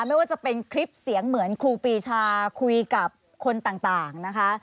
ไม่ว่าจะเป็นคลิปเสียงเหมือนครูปีชาคุยกับคนต่างนะคะ